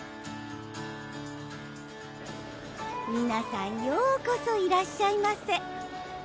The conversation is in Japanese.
皆さんようこそいらっしゃいませ！